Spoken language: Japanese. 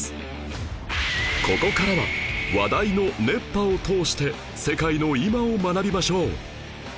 ここからは話題の「熱波」を通して世界の今を学びましょう